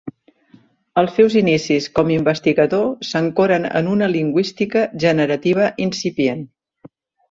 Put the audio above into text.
Els seus inicis com investigador s'ancoren en una lingüística generativa incipient.